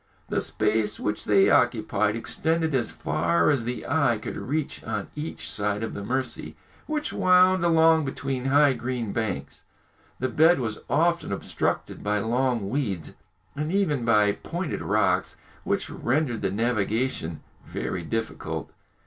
The space which they occupied extended as far as the eye could reach on each side of the Mercy, which wound along between high green banks. The bed was often obstructed by long weeds, and even by pointed rocks, which rendered the navigation very difficult.